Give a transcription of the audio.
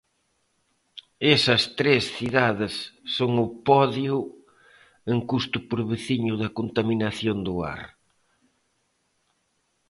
Esas tres cidades son o 'podio' en custo por veciño da contaminación do ar.